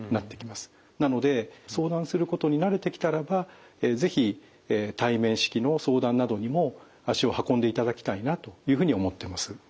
なので相談することに慣れてきたらば是非対面式の相談などにも足を運んでいただきたいなというふうに思ってます。